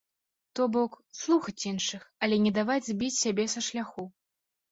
То бок, слухаць іншых, але не даваць збіць сябе са шляху.